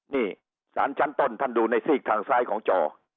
นี่สารชั้นต้นท่านดูในซีกทางซ้ายของจอ